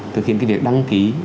thực hiện cái việc đăng ký